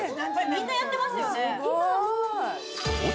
みんなやってますよね